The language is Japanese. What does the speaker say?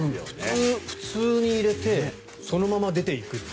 普通に入れてそのまま出ていくっていう。